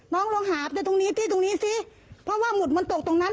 ลองหาบด้วยตรงนี้ที่ตรงนี้ซิเพราะว่าหมุดมันตกตรงนั้น